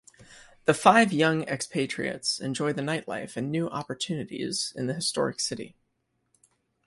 The five young expatriates enjoy the nightlife and new opportunities in the historic city.